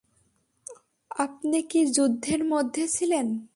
আপনি কি যুদ্ধের মধ্যে ছিলেন?